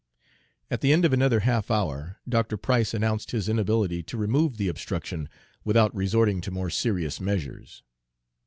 At the end of another half hour Dr. Price announced his inability to remove the obstruction without resorting to more serious measures.